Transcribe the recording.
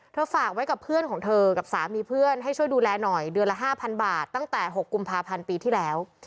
ฝากไว้กับเพื่อนของเธอกับสามีเพื่อนให้ช่วยดูแลหน่อยเดือนละ๕๐๐บาทตั้งแต่๖กุมภาพันธ์ปีที่แล้ว